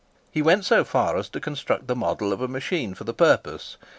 He went so far as to construct the model of a machine for the purpose.